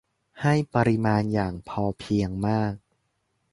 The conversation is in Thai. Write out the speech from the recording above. ให้ปริมาณอย่างพอเพียงมาก